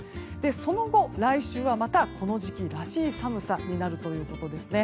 その後、来週はまたこの時期らしい寒さになるということです。